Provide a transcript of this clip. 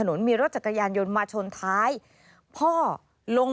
มันเกิดเหตุเป็นเหตุที่บ้านกลัว